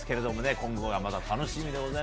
今後がまた楽しみですね。